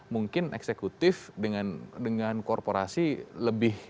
mungkin eksekutif dengan korporasi lebih